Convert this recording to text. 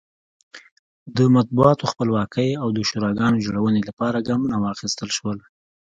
د مطبوعاتو خپلواکۍ او د شوراګانو جوړونې لپاره ګامونه واخیستل شول.